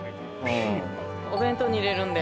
お弁当に入れるんで。